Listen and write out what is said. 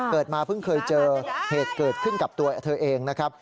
มาเพิ่งเคยเจอเหตุเกิดขึ้นกับตัวเธอเองนะครับ